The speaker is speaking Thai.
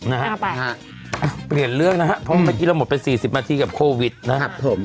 นะฮะเปลี่ยนเรื่องนะฮะเพราะเมื่อกี้เราหมดไปสี่สิบนาทีกับโควิดนะครับผม